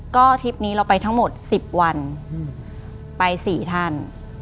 ก็ทริปนี้เราไปทั้งหมด๑๐วันไป๔ท่าน